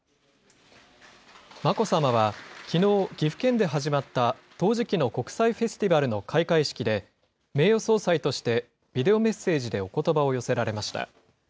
眞子さまはきのう、岐阜県で始まった陶磁器の国際フェスティバルの開会式で、名誉総裁としてビデオメッセージでおことばを寄せられました。